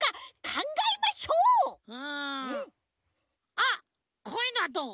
あっこういうのはどう？